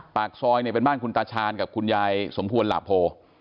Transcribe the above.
ปากซอยเนี่ยเป็นบ้านคุณตาชาญกับคุณยายสมควรหลาโพ